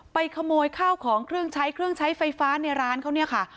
ขโมยข้าวของเครื่องใช้เครื่องใช้ไฟฟ้าในร้านเขาเนี่ยค่ะ